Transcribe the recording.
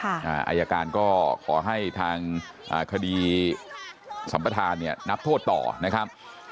อายการก็ขอให้ทางคดีสัมประธานเนี่ยนับโทษต่อนะครับ